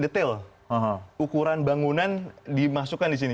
jadi kita bisa lihat ukuran bangunan dimasukkan di sini